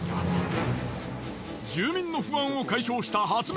住民の不安を解消した発明